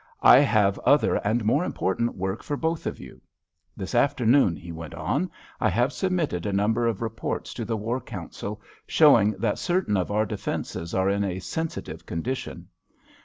I have other and more important work for both of you. This afternoon," he went on, "I have submitted a number of reports to the War Council, showing that certain of our defences are in a sensitive condition.